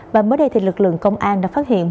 và mới đây thì lực lượng công an đã phát hiện một số